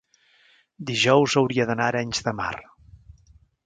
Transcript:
dijous hauria d'anar a Arenys de Mar.